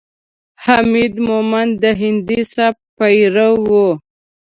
حمید مومند د هندي سبک پیرو ؤ.